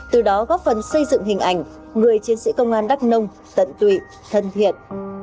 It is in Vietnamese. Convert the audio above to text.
từ đó góp phần xây dựng hình ảnh người chiến sĩ công an đắk nông tận tụy thân thiện